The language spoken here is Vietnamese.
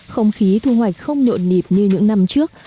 không khí thu hoạch không nhộn nhịp như những năm trước